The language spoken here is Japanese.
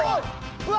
うわ！